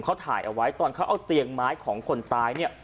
เขาถ่ายเอาไว้ตอนเขาเอาเตียงไม้ของคนตายเนี่ย